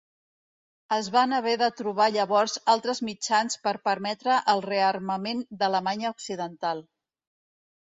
Es van haver de trobar llavors altres mitjans per permetre el rearmament d'Alemanya Occidental.